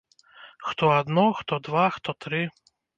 Хто адно, хто два, хто тры.